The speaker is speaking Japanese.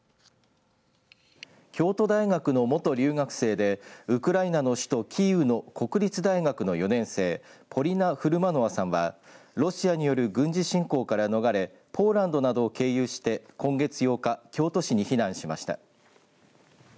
京都大学の元留学生でウクライナの首都キーウの国立大学の４年生ポリナ・フルマノワさんはロシアによる軍事侵攻から逃れポーランドなどを経由して今月８日京都市に避難しました。